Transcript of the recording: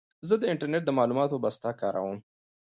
زه د انټرنېټ د معلوماتو بسته کاروم.